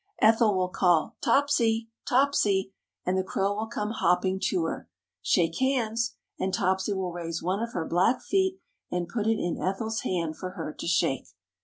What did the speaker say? Ethel will call, "Topsy, Topsy," and the crow will come hopping to her. "Shake hands," and Topsy will raise one of her black feet and put it in Ethel's hand for her to shake.